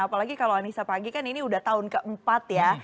apalagi kalau anissa pagi kan ini udah tahun keempat ya